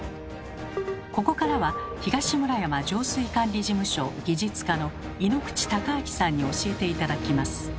ここからは東村山浄水管理事務所技術課の井ノ口孝昭さんに教えて頂きます。